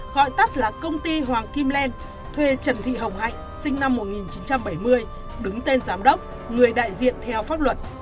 gọi tắt là công ty hoàng kim len thuê trần thị hồng hạnh sinh năm một nghìn chín trăm bảy mươi đứng tên giám đốc người đại diện theo pháp luật